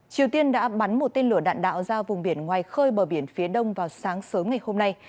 triều tiên đã bắn một tên lửa đạn đạo ra vùng biển ngoài khơi bờ biển phía đông vào sáng sớm ngày hôm nay